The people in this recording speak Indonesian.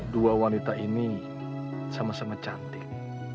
dua wanita ini sama sama cantik